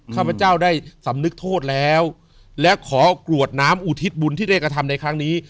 ข้าพเจ้าได้สำนึกโทษแล้วและขอกรวดน้ำอุทิศบุญที่ได้กระทำในครั้งนี้